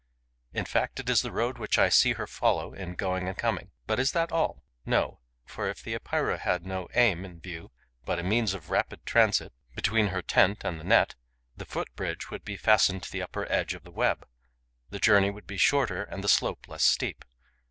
In fact, it is the road which I see her follow, in going and coming. But is that all? No; for, if the Epeira had no aim in view but a means of rapid transit between her tent and the net, the foot bridge would be fastened to the upper edge of the web. The journey would be shorter and the slope less steep.